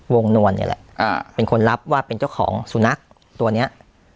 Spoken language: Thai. นวลนี่แหละเป็นคนรับว่าเป็นเจ้าของสุนัขตัวเนี้ย